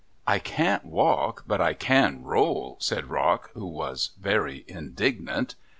"I can't walk, but I can roll," said Rock, who was very indignant.